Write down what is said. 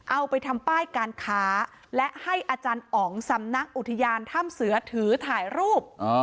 เอาไปทำป้ายการค้าและให้อาจารย์อ๋องสำนักอุทยานถ้ำเสือถือถ่ายรูป